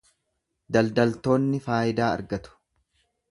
Daldaltoonni faayidaa argatu.